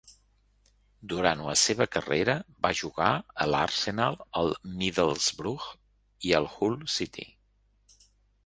Durant la seva carrera va jugar a l'Arsenal, el Middlesbrough i el Hull City.